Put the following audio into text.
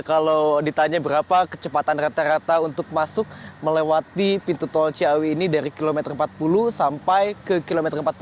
kalau ditanya berapa kecepatan rata rata untuk masuk melewati pintu tol ciawi ini dari kilometer empat puluh sampai ke kilometer empat puluh